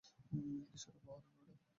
কীসের অপহরণ, ম্যাডাম।